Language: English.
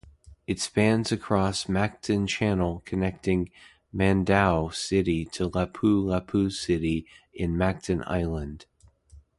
It spans across Mactan Channel connecting Mandaue City to Lapu-Lapu City in Mactan Island.